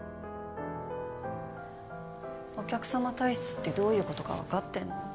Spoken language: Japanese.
お客さま体質ってどういうことか分かってんの？